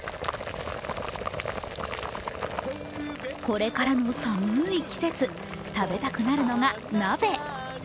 これからの寒い季節、食べたくなるのが鍋。